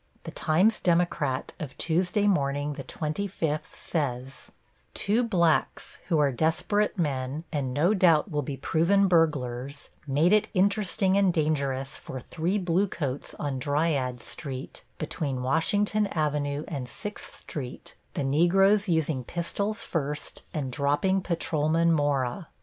The Times Democrat of Tuesday morning, the twenty fifth, says: Two blacks, who are desperate men, and no doubt will be proven burglars, made it interesting and dangerous for three bluecoats on Dryades street, between Washington Avenue and Sixth Street, the Negroes using pistols first and dropping Patrolman Mora.